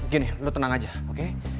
gini lu tenang aja oke